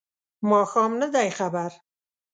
ماښام نه دی خبر